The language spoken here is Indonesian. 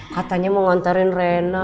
katanya mau nganterin rena